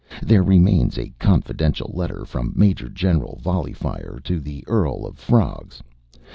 There remains a confidential letter from Major General Volleyfire to the Earl of Frogs.